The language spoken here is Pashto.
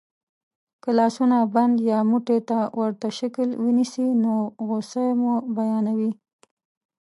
که لاسونه بند یا موټي ته ورته شکل کې ونیسئ نو غسه مو بیانوي.